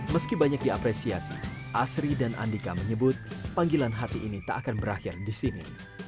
meski banyak diapresiasi asri dan andika menyebut panggilan hati ini tak akan berakhir di sini